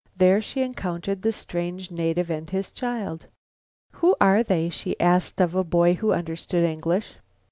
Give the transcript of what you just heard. There she encountered the strange native and his child. "Who are they?" she asked of a boy who understood English.